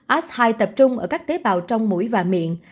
as hai tập trung ở các tế bào trong mũi và miệng